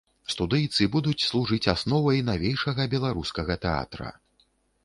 Студыйцы будуць служыць асновай навейшага беларускага тэатра.